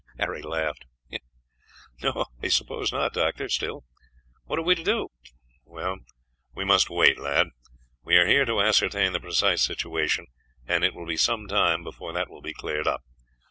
Harry laughed. "No, I suppose not, Doctor. Still, what are we to do?" "We must wait, lad. We are here to ascertain the precise situation, and it will be some time before that will be cleared up.